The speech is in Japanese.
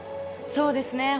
そうですね。